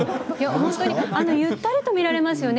ゆったりと見られますよね